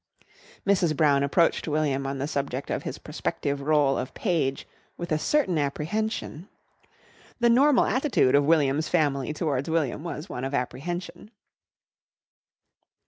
Mrs. Brown approached William on the subject of his prospective rôle of page with a certain apprehension. The normal attitude of William's family towards William was one of apprehension.